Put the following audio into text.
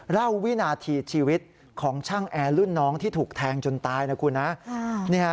วินาทีชีวิตของช่างแอร์รุ่นน้องที่ถูกแทงจนตายนะคุณนะ